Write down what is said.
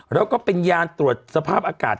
แล้วก็เป็นยานตรวจสภาพอากาศ